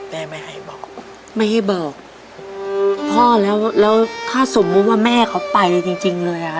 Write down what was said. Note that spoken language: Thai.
แม่ไม่ให้บอกไม่ให้เบิกพ่อแล้วแล้วถ้าสมมุติว่าแม่เขาไปจริงจริงเลยอ่ะ